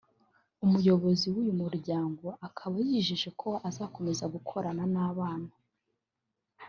umuyobozi w’uyu muryango akaba yijeje ko uzakomeza gukorana n’abana